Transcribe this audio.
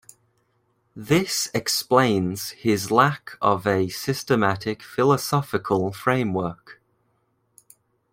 This explains his lack of a systematic philosophical framework.